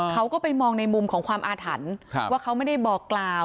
เขาก็ไปมองในมุมของความอาถรรพ์ว่าเขาไม่ได้บอกกล่าว